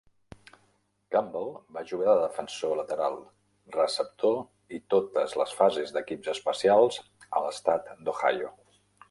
Gamble va jugar de defensor lateral, receptor i totes les fases d'equips especials a l'estat d'Ohio.